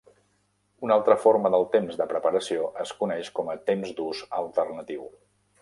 Una altra forma del temps de preparació es coneix com a temps d'ús alternatiu.